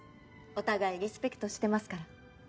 お互いリスペクトしてますから。